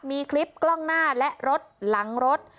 มีคลิปกล้องหน้าและรถหลังรถ